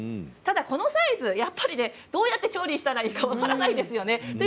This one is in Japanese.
ただこのサイズどうやって調理したらいいのか分からないですよね。